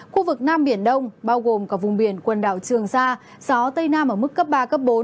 khu vực nam biển đông bao gồm cả vùng biển quần đảo trường sa gió tây nam ở mức cấp ba bốn